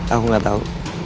aku enggak tahu